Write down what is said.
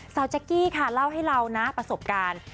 แจ๊กกี้ค่ะเล่าให้เรานะประสบการณ์